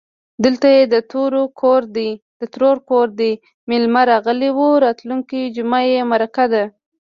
_دلته يې د ترور کور دی، مېلمه راغلی و. راتلونکې جومه يې مرکه ده.